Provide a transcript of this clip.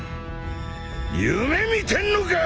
夢見てんのか！？